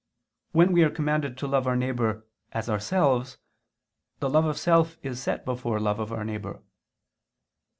When we are commanded to love our neighbor "as ourselves," the love of self is set before love of our neighbor.